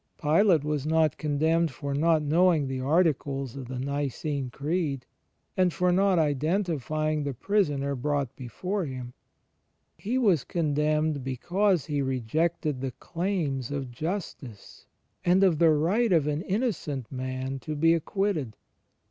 Pilate was not condemned for not knowing the articles of the Nicene Creed, and for not identifying the Prisoner brought before him: he was condemned because he rejected the claims of justice and of the right of an innocent man to be acquitted.